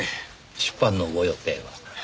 出版のご予定は？